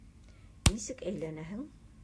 Нисек әйләнәһең?